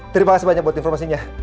terima kasih banyak buat informasinya